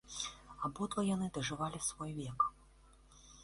Абодва яны дажывалі свой век.